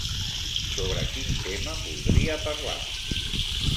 Sobre quin tema voldria parlar?